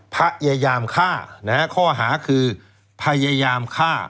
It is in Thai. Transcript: พยายามฆ่านะฮะข้อหาคือพยายามฆ่า